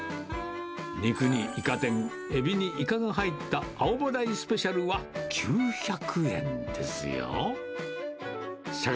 肉にイカ天、エビにイカが入った青葉台スペシャルは９００円ですよ。